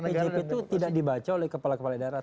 masalahnya rpjp itu tidak dibaca oleh kepala kepala daerah